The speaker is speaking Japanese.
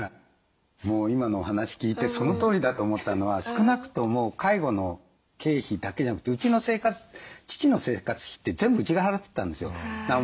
もう今のお話聞いてそのとおりだと思ったのは少なくとも介護の経費だけじゃなくて父の生活費って全部うちが払ってたんですよ。